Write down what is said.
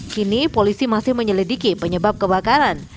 kini polisi masih menyelidiki penyebab kebakaran